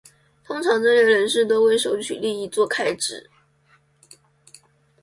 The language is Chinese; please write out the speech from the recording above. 通常这类人士都会收取利益作开支。